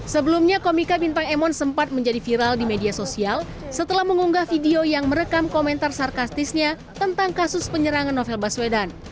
sebelumnya komika bintang emon sempat menjadi viral di media sosial setelah mengunggah video yang merekam komentar sarkastisnya tentang kasus penyerangan novel baswedan